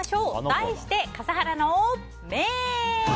題して、笠原の眼。